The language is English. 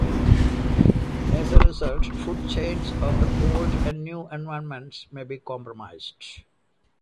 As a result, food chains of the old and new environments may be compromised.